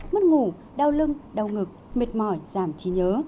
mất ngủ đau lưng đau ngực mệt mỏi giảm trí nhớ